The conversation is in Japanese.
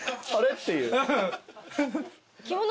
っていう。